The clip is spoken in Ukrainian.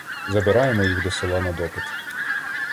Забираємо їх до села на допит.